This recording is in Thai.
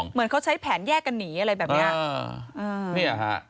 เหมือนเขาใช้แผนแยกกันหนีอะไรแบบนี้